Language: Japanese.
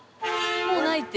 もうないって。